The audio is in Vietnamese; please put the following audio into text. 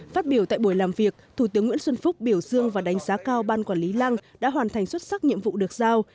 phát biểu tại buổi làm việc thủ tướng nguyễn xuân phúc biểu dương và đánh giá cao ban quản lý lăng đã hoàn thành xuất sắc nhiệm vụ được giao